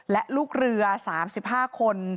และลูกเรือ๓๕คน